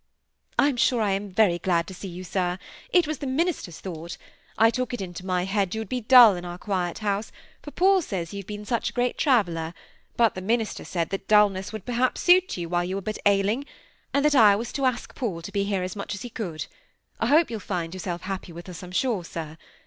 "I'm sure I am very glad to see you, sir. It was the minister's thought. I took it into my head you would be dull in our quiet house, for Paul says you've been such a great traveller; but the minister said that dulness would perhaps suit you while you were but ailing, and that I was to ask Paul to be here as much as he could. I hope you'll find yourself happy with us, I'm sure, sir.